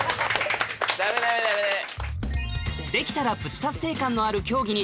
ダメダメダメダメ。